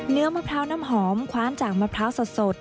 มะพร้าวน้ำหอมคว้านจากมะพร้าวสด